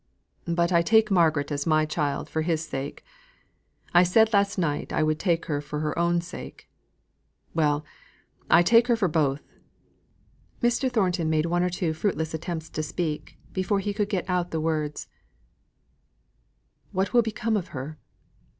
But I take Margaret as my child for his sake. I said last night I would take her for her own sake. Well, I take her for both." Mr. Thornton made one or two fruitless attempts to speak, before he could get out the words: "What will become of her?"